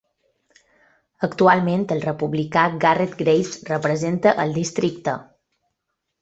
Actualment, el republicà Garret Graves representa al districte.